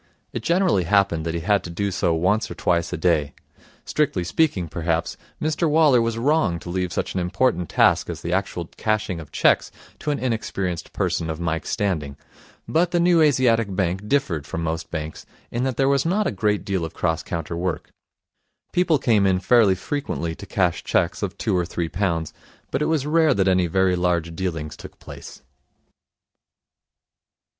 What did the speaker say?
It generally happened that he had to do so once or twice a day. Strictly speaking, perhaps, Mr Waller was wrong to leave such an important task as the actual cashing of cheques to an inexperienced person of Mike's standing; but the New Asiatic Bank differed from most banks in that there was not a great deal of cross counter work. People came in fairly frequently to cash cheques of two or three pounds, but it was rare that any very large dealings took place.